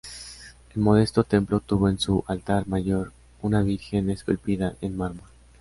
El modesto templo tuvo en su altar mayor una virgen esculpida en mármol.